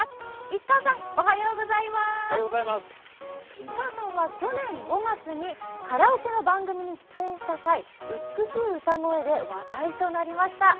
石川さんは去年５月にカラオケの番組に出演した際美しい歌声で話題となりました。